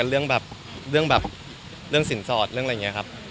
กับเรื่องสินสอดเรื่องอะไรอย่างนี้ครับ